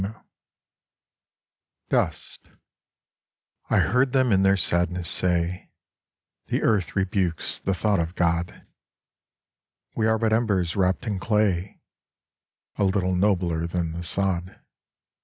49 Sust I HEARD them in their sadness say * The earth rebukes the thought of God ; We are but embers wrapped in clay A little nobler than the sod.'